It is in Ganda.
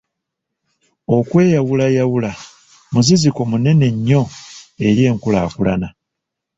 Okweyawulayawula muziziko munene nnyo eri enkulaakulana.